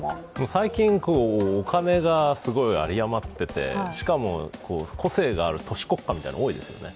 最近、お金がすごいあり余っていて、しかも個性がある都市国家みたいなのが多いですよね。